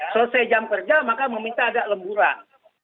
selesai jam kerja maka meminta agak lemburan